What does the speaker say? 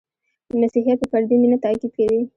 • مسیحیت په فردي مینه تأکید کوي.